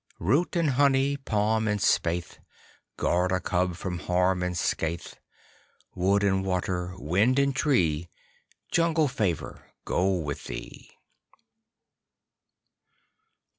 (Root and honey, palm and spathe, Guard a cub from harm and scathe!) _Wood and Water, Wind and Tree, Jungle Favor go with thee!